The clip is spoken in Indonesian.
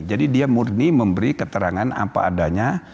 jadi dia murni memberi keterangan apa adanya